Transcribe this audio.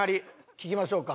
聴きましょうか。